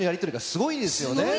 すごいですよ。